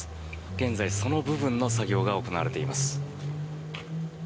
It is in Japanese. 現在、その部分の作業が行われています。